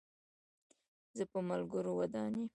زه په ملګرو ودان یم.